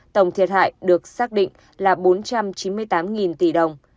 tổng thiệt hại được xác định là bốn trăm chín mươi tám tỷ đồng